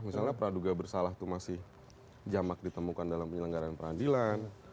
misalnya praduga bersalah itu masih jamak ditemukan dalam penyelenggaran peradilan